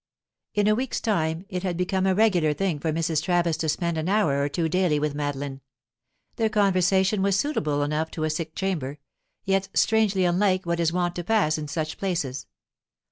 In a week's time it had become a regular thing for Mrs. Travis to spend an hour or two daily with Madeline. Their conversation was suitable enough to a sick chamber, yet strangely unlike what is wont to pass in such places.